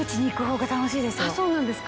そうなんですか？